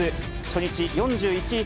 初日４１位